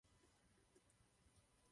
Někdo zmínil nově se rozvíjející ekonomiky.